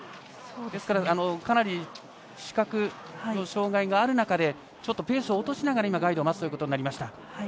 ですからかなり視覚の障がいのある中でペースを落としながらガイドを待つことになりました。